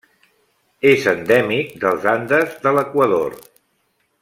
És endèmic dels Andes de l'Equador.